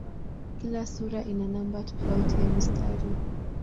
Kila sura ina namba tofauti ya mistari.